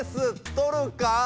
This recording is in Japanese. とるか？